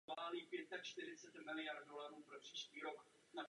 Národní přírodní rezervace se nachází na území okresů Náchod a Trutnov.